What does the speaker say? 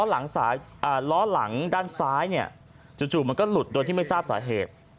ล้อหลังด้านซ้ายเนี่ยจู่มันก็หลุดโดยที่ไม่ทราบสาเหตุ